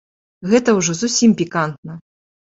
Гэта ўжо зусім пікантна!